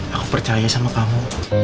aku percaya sama kamu